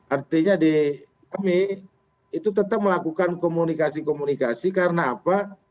artinya di kami itu tetap melakukan komunikasi komunikasi karena apa